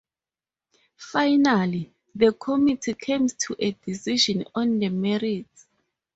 Finally, the Committee comes to a decision on the merits.